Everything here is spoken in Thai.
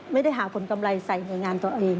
ไม่ได้หาผลกำไรใส่หน่วยงานตัวเอง